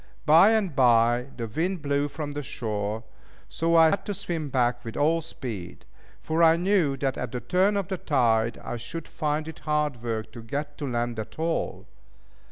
Bye and bye, the wind blew from the shore, so I had to swim back with all speed; for I knew that at the turn of the tide, I should find it hard work to get to land at all.